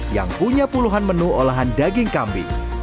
yang punya puluhan menu olahan daging kambing